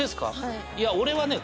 いや俺はね。